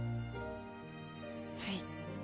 はい。